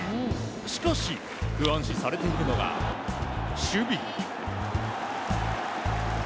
しかし、不安視されているのが守備。